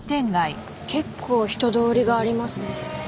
結構人通りがありますね。